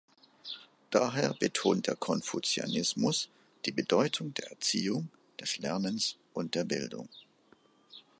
Daher betont der Konfuzianismus die Bedeutung der Erziehung, des Lernens und der Bildung.